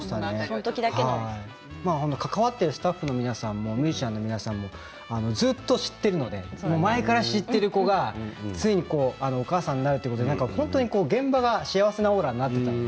スタッフの皆さんもミュージシャンの皆さんもずっと知っているので前から知っている子がついにお母さんになるということで現場が幸せなオーラになっていました。